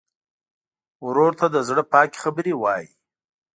ورور ته د زړه پاکې خبرې وایې.